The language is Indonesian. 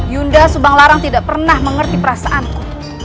yunda subanglarang tidak pernah mengerti perasaanku